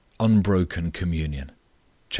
UNBROKEN COMMUNION. Chap.